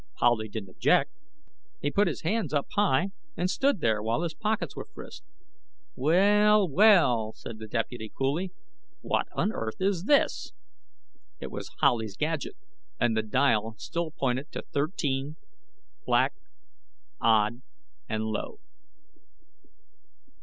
Howley didn't object. He put his hands up high and stood there while his pockets were frisked. "Well, well," said the deputy coolly. "What on Earth is this?" It was Howley's gadget, and the dial still pointed to Thirteen Black, Odd, and Low.